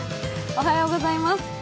おはようございます。